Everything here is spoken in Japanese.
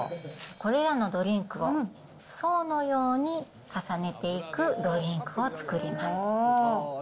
これらのドリンクを層のように重ねていくドリンクを作ります。